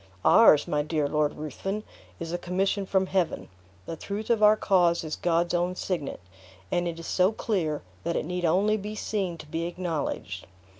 Ours, my dear Lord Ruthven, is a commission from Heaven. The truth of our cause is God's own signet, and is so clear, that it need only be seen to be acknowledged.